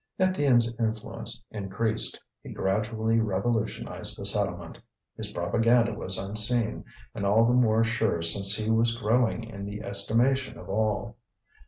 Étienne's influence increased; he gradually revolutionized the settlement. His propaganda was unseen, and all the more sure since he was growing in the estimation of all.